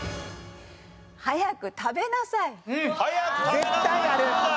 早く食べなさいどうだ？